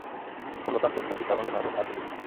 Por lo tanto, el país está abandonado a sí mismo.